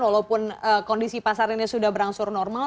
walaupun kondisi pasar ini sudah berangsur normal